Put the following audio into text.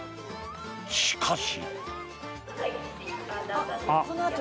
しかし。